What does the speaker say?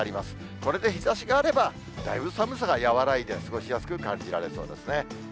これで日ざしがあれば、だいぶ寒さが和らいで過ごしやすく感じられそうですね。